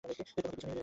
তোমার পেছনেই রয়েছি।